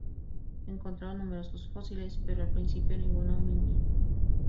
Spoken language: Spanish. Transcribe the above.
Encontraron numerosos fósiles, pero al principio ningún homínido.